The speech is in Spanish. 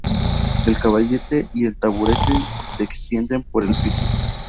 El caballete y el taburete se extienden por el piso.